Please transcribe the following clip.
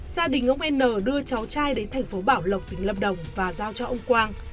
gia đình ông n đưa cháu trai đến thành phố bảo lộc tỉnh lâm đồng và giao cho ông quang